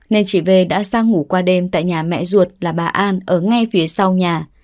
nên chị về đã sang ngủ qua đêm tại nhà mẹ ruột là bà an ở ngay phía sau nhà